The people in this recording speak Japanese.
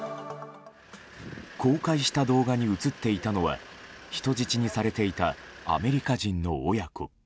公開した動画に映っていたのは人質にされていたアメリカ人の親子。